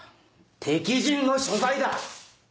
敵陣の所在だ！